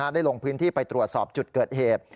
ได้ลงพื้นที่ไปตรวจสอบจุดเกิดเหตุ